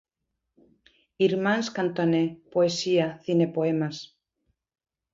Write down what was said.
Irmáns Cantoné, Poesía Cinepoemas.